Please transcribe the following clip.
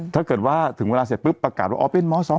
ถ้าเกิดว่าถึงเวลาเสร็จปรากฏว่าเป็นหมอสอง